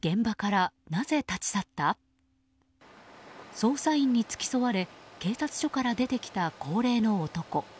捜査員に付き添われ警察署から出てきた高齢の男。